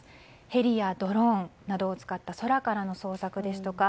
ヘリやドローンなどを使った空からの捜索ですとか